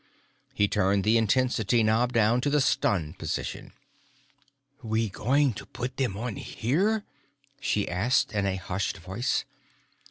He turned the intensity knob down to the "stun" position. "We going to put them on here?" she asked in a hushed voice.